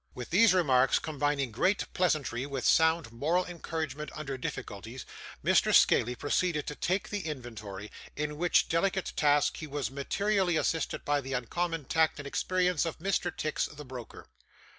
With these remarks, combining great pleasantry with sound moral encouragement under difficulties, Mr. Scaley proceeded to take the inventory, in which delicate task he was materially assisted by the uncommon tact and experience of Mr. Tix, the broker.